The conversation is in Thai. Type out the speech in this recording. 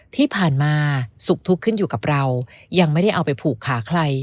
ที่ผ่านมาสุขทุกข์ขึ้นอยู่กับเรายังไม่ได้เอาไปผูกขาใคร